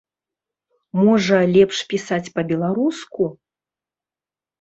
Можа, лепш пісаць па-беларуску?